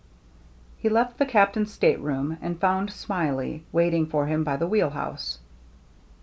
He left the Captain's stateroom, and found Smiley waiting for him by the wheel house.